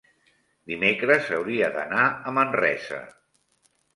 dimecres hauria d'anar a Manresa.